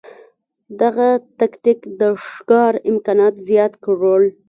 دغه تکتیک د ښکار امکانات زیات کړل.